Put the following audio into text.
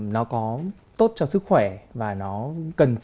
nó có tốt cho sức khỏe